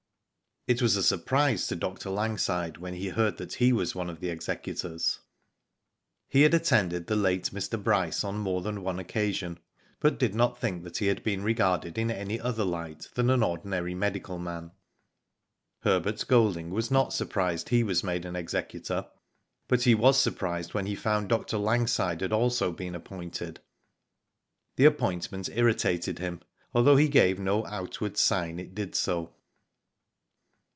It was a surprise to Dr. Langside when he heard he was one of the executors. He had attended the late Mr. Bryce on more than one occasion, but did not think he had been regarded in any other light than an ordinary medical man. Herbert Golding was not surprised he was made an executor, but he was surprised when he found Dr. Langside had also been appointed. . This appointment irritated him although he gave no outward sign it did so.